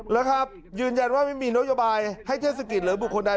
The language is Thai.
แล้วครับยืนยันว่าไม่มีนโยบายให้เทศกิจหรือบุคคลใด